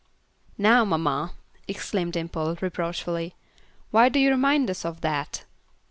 "Now, mamma," exclaimed Dimple, reproachfully, "why do you remind us of that?"